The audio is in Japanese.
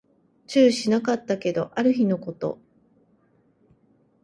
注意しなかったけど、ある日のこと